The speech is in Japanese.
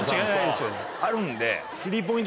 あるんで。